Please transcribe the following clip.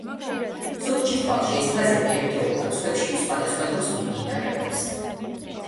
ზოგ ჯირკვალში ეს ფაზები ერთდროულად, სხვებში კი სხვადასხვა დროს მიმდინარეობს.